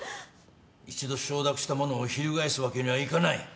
一度承諾したものを翻すわけにはいかない。